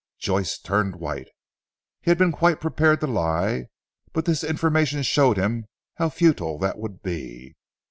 Joyce turned white. He had been quite prepared to lie, but this information showed him how futile that would be.